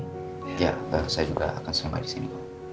iya saya juga akan stand by di sini